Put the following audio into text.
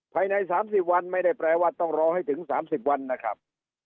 ภายใน๓๐วันไม่ได้แปลว่าต้องรอให้ถึง๓๐วันนะครับ